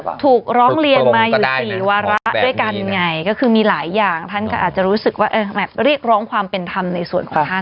ก็ถูกเรียกร้องเรียนศีลวาระด้วยกันมีหลายอย่างท่านอาจรู้สึกว่ารีกร้องความเป็นธรรมในส่วนท่าน